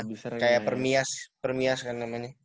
kayak permias permias kan namanya